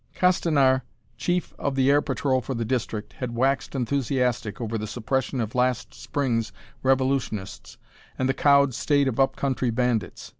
Castanar, chief of the air patrol for the district, had waxed enthusiastic over the suppression of last spring's revolutionists and the cowed state of up country bandits.